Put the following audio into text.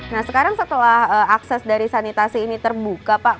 nah sekarang setelah akses dari sanitasi ini terbuka pak